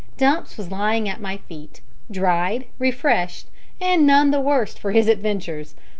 Dumps was lying at my feet dried, refreshed, and none the worse for his adventures.